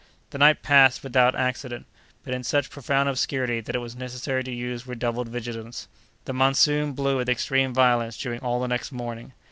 The night passed without accident, but in such profound obscurity, that it was necessary to use redoubled vigilance. The monsoon blew with extreme violence during all the next morning.